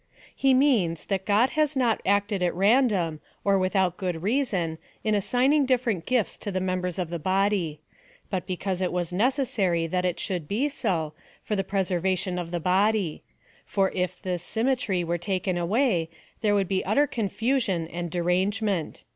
He means, that God has not acted at random, or without good reason, in assigning dif ferent gifts to the members of the body ; but because it was necessary that it should be so, for the preservation of the body ; for if this symmetry were taken away, there would be utter confusion and derangement.